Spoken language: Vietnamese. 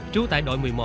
trú tại đội một mươi một